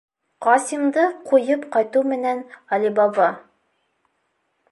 Ҡасимды ҡуйып ҡайтыу менән Али Баба: